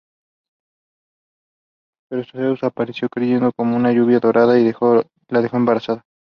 Pero Zeus apareció cayendo como una lluvia dorada y la dejó embarazada.